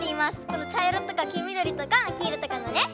このちゃいろとかきみどりとかきいろとかのね。